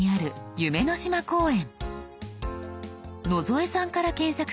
「夢の島公園」。